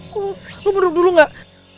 lu lu berdua dulu gak